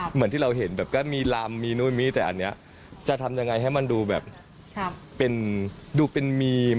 เหมือนที่เราเห็นแบบก็มีลำมีนู่นมีแต่อันนี้จะทำยังไงให้มันดูแบบเป็นดูเป็นมีม